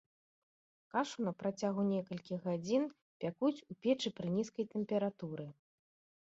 Кашу на працягу некалькіх гадзін пякуць у печы пры нізкай тэмпературы.